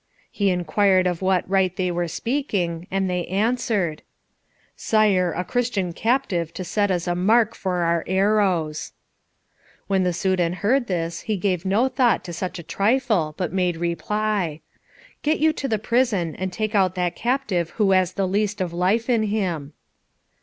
He inquired of what right they were speaking, and they answered, "Sire, a Christian captive to set as a mark for our arrows." When the Soudan heard this he gave no thought to such a trifle, but made reply, "Get you to the prison, and take out that captive who has the least of life in him."